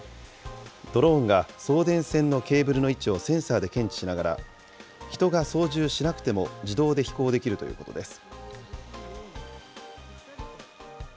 ドローンが送電線のケーブルの位置をセンサーで検知しながら、人が操縦しなくても自動で飛行できるということです。